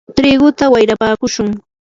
triguta wayrapakushun.